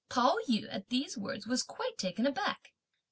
Pao yü at these words was quite taken aback.